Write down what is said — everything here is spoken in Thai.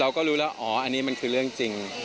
เราก็รู้แล้วอ๋ออันนี้มันคือเรื่องจริง